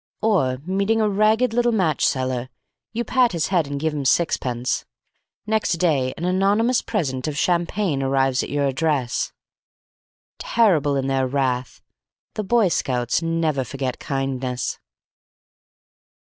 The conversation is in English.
Or, meeting a ragged little matchseller, you pat his head and give him six pence. Next day an anonymous present of champagne arrives at your address. Terrible in their wrath, the Boy Scouts never forget kindness.